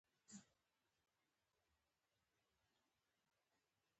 له ځینو سیمو سره گډې پولې لري